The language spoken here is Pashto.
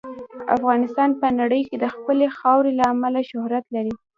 افغانستان په نړۍ کې د خپلې خاورې له امله شهرت لري.